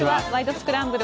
スクランブル」